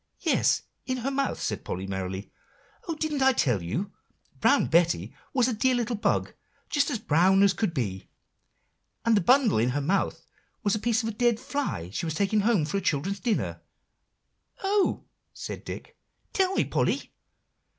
"Yes, in her mouth," said Polly merrily. "Oh! didn't I tell you? Brown Betty was a dear little bug, just as brown as could be; and the bundle in her mouth was a piece of a dead fly she was taking home for her children's dinner." "Oh!" said Dick; "tell me, Polly."